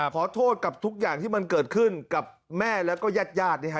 ขอโทษกับทุกอย่างที่มันเกิดขึ้นกับแม่แล้วก็ญาติญาติ